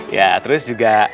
ya terus juga